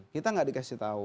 kita tidak dikasih tahu